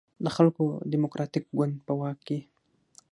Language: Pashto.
د خلکو دیموکراتیک ګوند په واک کې.